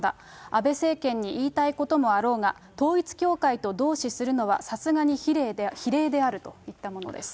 安倍政権に言いたいこともあろうが、統一教会と同視するのは、さすがに非礼であるといったものです。